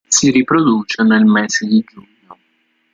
Si riproduce nel mese di giugno.